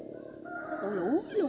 cái cụ lũ lắm luôn á